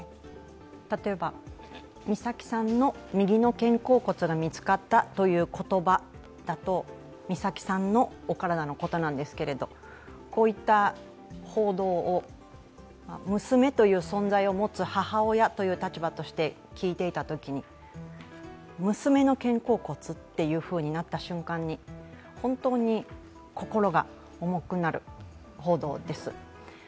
例えば、美咲さんの右の肩甲骨が見つかったという言葉だと美咲さんのお体のことなんですけれどこういった報道を娘という存在を持つ母親という立場で聞いていたときに娘の肩甲骨ってなった瞬間に本当に、心が重くなる報道です。